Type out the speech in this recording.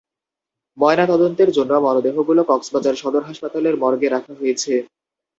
ময়নাতদন্তের জন্য মরদেহগুলো কক্সবাজার সদর হাসপাতালের মর্গে রাখা হয়েছে।